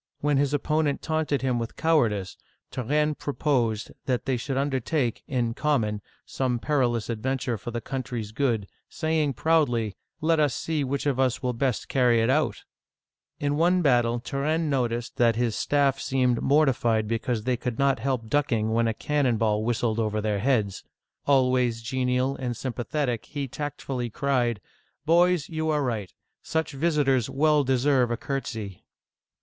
When his opponent taunted him with cowardice, Turenne proposed that they should undertake, in common, some perilous ad venture for the country's good, saying proudly, " Let us see which of us will best carry it out !" In one battle Turenne noticed that his staff seemed mor tified because they could not help ducking when a cannon Digitized by VjOOQIC ■ 342 OLD FRANCE ball whistled over their heads. Always genial and sympa thetic, he tactfully cried :" Boys, you are right. Such vis itors well deserve a curtsy